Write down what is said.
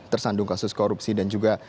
tersandung kasus korupsi dan juga